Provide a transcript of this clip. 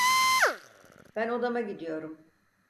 Ben odama gidiyorum.